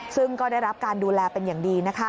ซึ่งก็ได้รับการดูแลเป็นอย่างดี